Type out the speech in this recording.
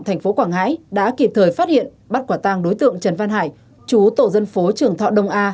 thành phố quảng ngãi đã kịp thời phát hiện bắt quả tàng đối tượng trần văn hải chú tổ dân phố trường thọ đông a